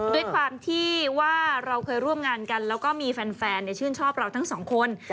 ด้วยความที่ว่าเราเคยร่วมงานกันแล้วก็มีแฟนชื่นชอบเราทั้งสองคน